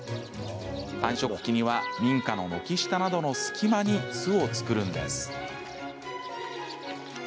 繁殖期には、民家の軒下などの隙間に巣を作るんです。